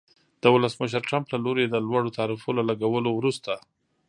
د ولسمشر ټرمپ له لوري د لوړو تعرفو له لګولو وروسته